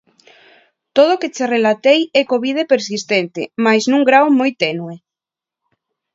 Todo o que che relatei é Covid persistente mais nun grao moi tenue.